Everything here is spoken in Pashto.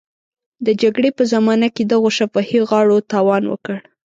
د جګړې په زمانه کې دغو شفاهي غاړو تاوان وکړ.